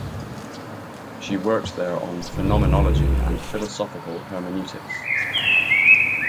She worked there on phenomenology and philosophical hermeneutics.